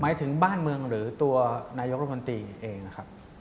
หมายถึงบ้านเมืองหรือตัวนายกรัฐมนตรีเองนะครับ